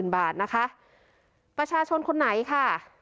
บาทนะคะประชาชนคนไหนค่ะ